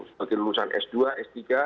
sebagai lulusan s dua s tiga